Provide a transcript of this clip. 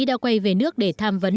đã quay về nước để tham vấn